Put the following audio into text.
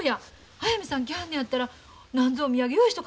速水さん来はんのやったらなんぞお土産用意しとかなあかんな。